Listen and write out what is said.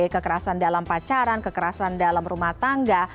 kekerasan dalam pacaran kekerasan dalam rumah tangga